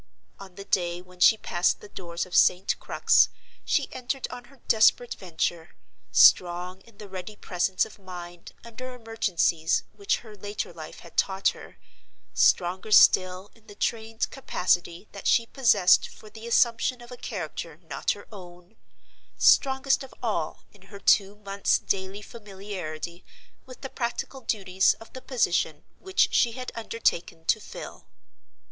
On the day when she passed the doors of St. Crux she entered on her desperate venture, strong in the ready presence of mind under emergencies which her later life had taught her, stronger still in the trained capacity that she possessed for the assumption of a character not her own, strongest of all in her two months' daily familiarity with the practical duties of the position which she had undertaken to fill.